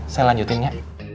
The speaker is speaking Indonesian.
saya lanjutin ya